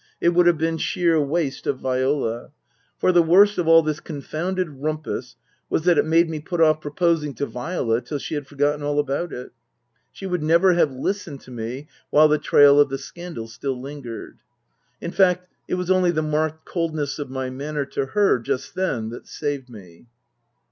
It would have been sheer waste of Viola. For the worst of all this confounded rumpus was that it made me put off proposing to Viola till she had forgotten all about it. She would never have listened to me while the trail of the scandal still lingered. In fact, it was only the marked coldness of my manner to her just then that saved me.